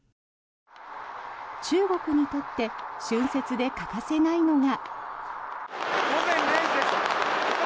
中国にとって春節で欠かせないのが。